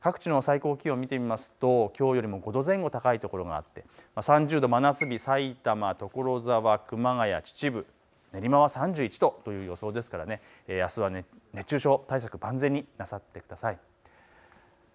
各地の最高気温を見てみますときょうよりも５度前後高いところがあって３０度、真夏日、さいたま、所沢、熊谷、秩父、練馬は３１度という予想ですから熱中症対策万全になさってください。